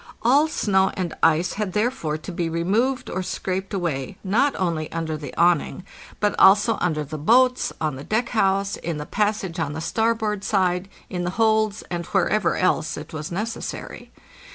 All snow and ice had therefore to be re moved or scraped away not only under the awning but also under 624 APPENDIX the boats, on the deck house, in the passage on the starboard side, in the holds, and wherever else it was necessary.